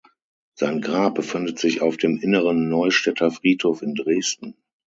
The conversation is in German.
Sein Grab befindet sich auf dem Inneren Neustädter Friedhof in Dresden.